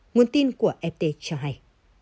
nguồn tin của ft cho hay